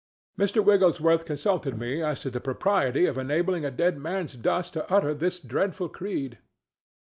Mr. Wigglesworth consulted me as to the propriety of enabling a dead man's dust to utter this dreadful creed.